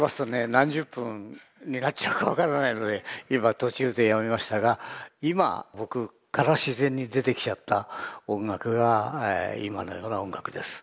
何十分になっちゃうか分からないので今途中でやめましたが今僕から自然に出てきちゃった音楽が今のような音楽です。